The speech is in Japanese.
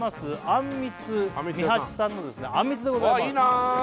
あんみつみはしさんのあんみつでございますああいいな